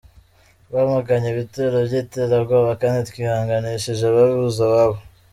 Twamaganye ibitero by’iterabwoba kandi twihanganishije ababuze ababo.